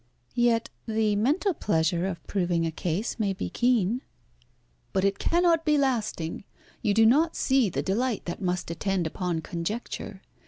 "Yet the mental pleasure of proving a case may be keen." "But it cannot be lasting. You do not see the delight that must attend upon conjecture.